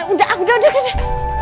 udah udah udah